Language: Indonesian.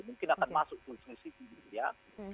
mungkin akan masuk ke list list itu gitu